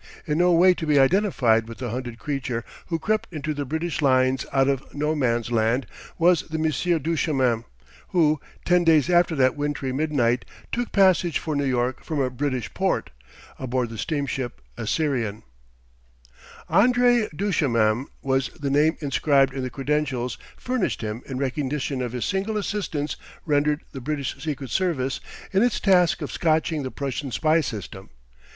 In no way to be identified with the hunted creature who crept into the British lines out of No Man's Land was the Monsieur Duchemin who, ten days after that wintry midnight, took passage for New York from "a British port," aboard the steamship Assyrian. André Duchemin was the name inscribed in the credentials furnished him in recognition of signal assistance rendered the British Secret Service in its task of scotching the Prussian spy system.